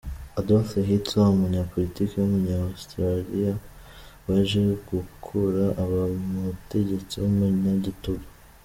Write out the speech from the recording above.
Adolf Hitler ni umunyapolitiki w’umunya Austria , wajegukura aba umutegetsi w’umunyagitugu.